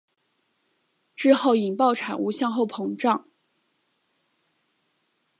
之后引爆产物往后膨胀。